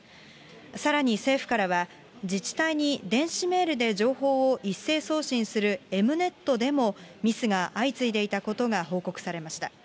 さらに政府からは自治体に電子メールで情報を一斉送信するエムネットでもミスが相次いでいたことが報告されました。